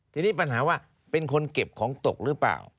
ทีนี้ปัญหาว่าเป็นคนเก็บของตกหรือเปล่า